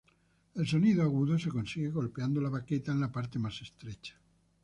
El sonido agudo se consigue golpeando la baqueta en la parte más estrecha.